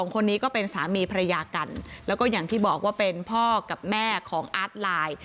คนนี้ก็เป็นสามีภรรยากันแล้วก็อย่างที่บอกว่าเป็นพ่อกับแม่ของอาร์ตไลน์